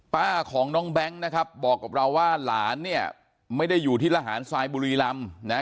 ป้าของน้องแบงก์บอกกับเราว่าหลานไม่ได้อยู่ที่รหารสายบุรีลำ